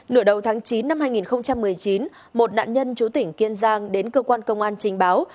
nửa đầu tháng chín năm hai nghìn một mươi chín một nạn nhân chú tỉnh kiên giang đến cơ quan công an trình báo